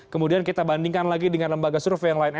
kemudian kita bandingkan lagi dengan lembaga survei yang lain